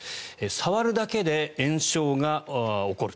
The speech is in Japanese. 触るだけで炎症が起こる。